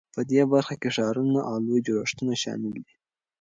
په دې برخه کې ښارونه او لوی جوړښتونه شامل دي.